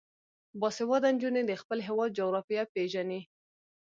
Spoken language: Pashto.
باسواده نجونې د خپل هیواد جغرافیه پیژني.